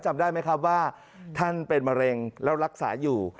จำได้ไหมครับว่าท่านเป็นมะเร็งแล้วรักษาอยู่